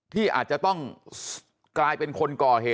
ที่อาจจะต้องกลายเป็นคนก่อเหตุ